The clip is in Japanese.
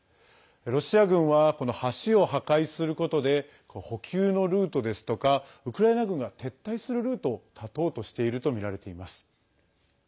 ロシア軍はこの橋を破壊することで補給のルートですとかウクライナ軍が撤退するルートを断とうとしているとみられています。